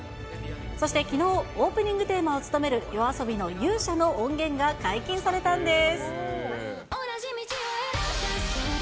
そしてきのう、オープニングテーマを務めるＹＯＡＳＯＢＩの勇者の音源が解禁されたんです。